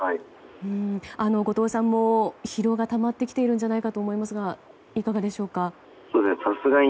後藤さんも疲労がたまってきているんじゃないかと思いますがいかがでしょうか。